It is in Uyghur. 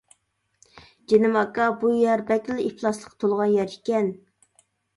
جېنىم ئاكا بۇ يەر بەكلا ئىپلاسلىققا تولغان يەر ئىكەن.